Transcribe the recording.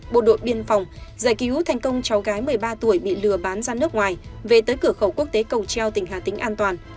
bộ đội biên phòng giải cứu thành công cháu gái một mươi ba tuổi bị lừa bán ra nước ngoài về tới cửa khẩu quốc tế cầu treo tỉnh hà tĩnh an toàn